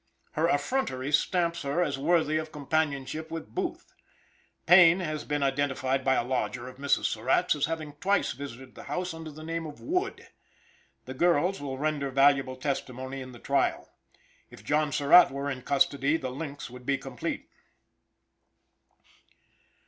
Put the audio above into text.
Her effrontery stamps her as worthy of companionship with Booth. Payne has been identified by a lodger of Mrs. Surratt's, as having twice visited the house under the name of Wood. The girls will render valuable testimony in the trial. If John Surratt were in custody the links would be complete.